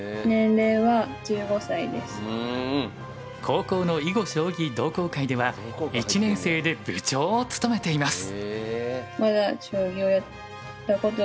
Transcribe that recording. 高校の囲碁・将棋同好会では１年生で部長を務めています。